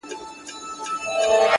پاچهي د ځناورو وه په غرو کي!.